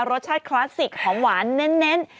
รสชาติคลาสสิกหอมหวานเน้น